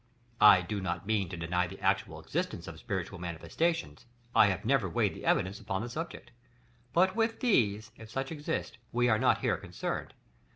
I do not mean to deny the actual existence of spiritual manifestations; I have never weighed the evidence upon the subject; but with these, if such exist, we are not here concerned.